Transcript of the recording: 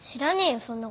そんなこと。